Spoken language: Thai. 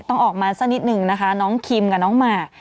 ต้องออกมาสักนิดนึงนะคะน้องคิมกับน้องหมาก